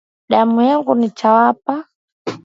Damu yangu nitawapa